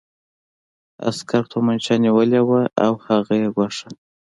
عسکر توپانچه نیولې وه او هغه یې ګواښه